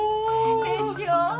でしょ？